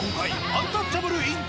アンタッチャブルｉｎ